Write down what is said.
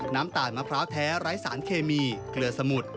น้ำตาลมะพร้าวแท้ไร้สารเคมีเกลือสมุด